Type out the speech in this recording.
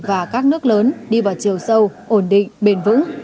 và các nước lớn đi vào chiều sâu ổn định bền vững